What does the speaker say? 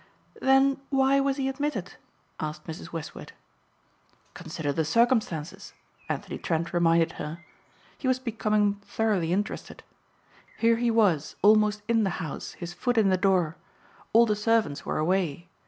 "Then why was he admitted?" asked Mrs. Westward. "Consider the circumstances," Anthony Trent reminded her. He was becoming thoroughly interested. "Here he was almost in the house, his foot in the door. All the servants were away.